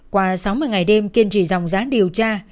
qua sáu mươi ngày đêm kiên trì dòng giá điều tra